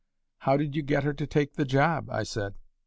"How did you get her to take the job?" I said.